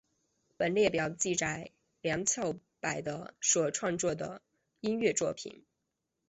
本列表记录梁翘柏的所创作的音乐作品